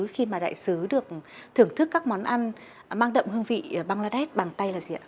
khi mà đại sứ được thưởng thức các món ăn mang đậm hương vị bangladesh bằng tay là gì ạ